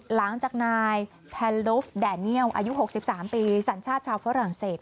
หลังจากนายแทนลูฟแดเนียลอายุ๖๓ปีสัญชาติชาวฝรั่งเศส